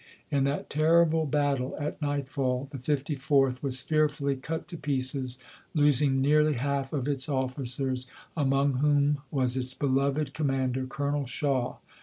In that terrible battle at nightfall, the Fifty fourth was fearfully cut to pieces, losing nearly half of its officers, among whom was its beloved commander, Colonel Shaw.